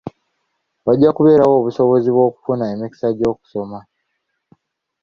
Wajja kubeerawo obusobozi bw'okufuna emikisa gy'okusoma.